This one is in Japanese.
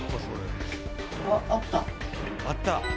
あっあった。